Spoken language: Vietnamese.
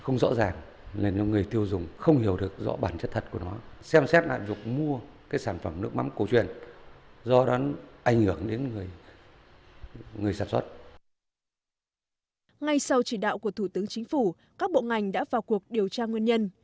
ngay sau chỉ đạo của thủ tướng chính phủ các bộ ngành đã vào cuộc điều tra nguyên nhân